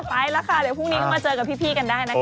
ไปแล้วค่ะเดี๋ยวพรุ่งนี้ก็มาเจอกับพี่กันได้นะคะ